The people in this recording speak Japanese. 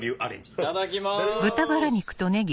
いただきます！